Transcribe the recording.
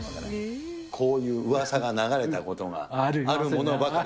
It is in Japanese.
こういううわさが流れたことがあるものばかり。